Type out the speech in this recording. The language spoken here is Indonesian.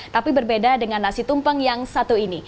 tapi berbeda dengan nasi tumpeng yang satu ini